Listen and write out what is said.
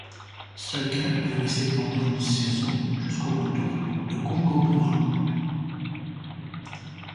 Stryker est resté pendant une saison jusqu'au retour d'Okungbowa.